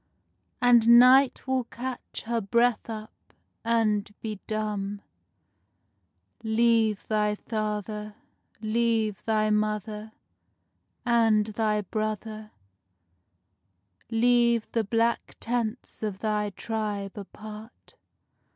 And night will catch her breath up, and be dumb. Leave thy father, leave thy mother And thy brother; Leave the black tents of thy tribe apart!